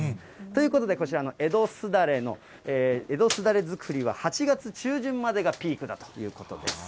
ということで、こちらの江戸すだれ作りは８月中旬までがピークだということです。